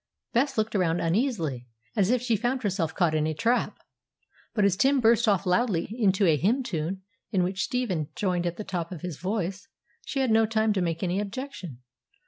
Bess looked round uneasily, as if she found herself caught in a trap; but, as Tim burst off loudly into a hymn tune, in which Stephen joined at the top of his voice, she had no time to make any objection.